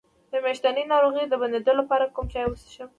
د میاشتنۍ ناروغۍ د بندیدو لپاره کوم چای وڅښم؟